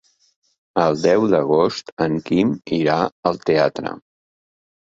El deu d'agost en Quim irà al teatre.